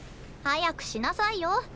早くしなさいよ？